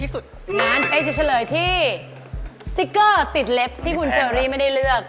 สติกเกอร์ติดเล็บที่คุณเชอร์รีไม่ได้เลือก